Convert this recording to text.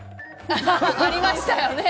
ありましたよね。